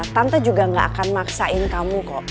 tante juga gak akan maksain kamu kok